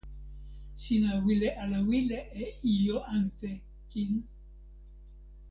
sina wile ala wile e ijo ante kin?